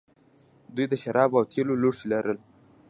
دوی د شرابو او تیلو لوښي لرل